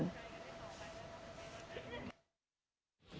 ตอนของศาล